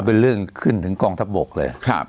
เป็นเรื่องขึ้นถึงกองทัพบกเลย